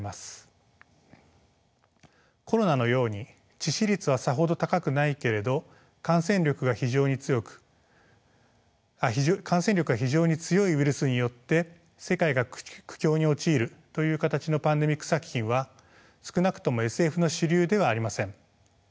コロナのように致死率はさほど高くないけれど感染力が非常に強いウイルスによって世界が苦境に陥るという形のパンデミック作品は少なくともＳＦの主流ではありません。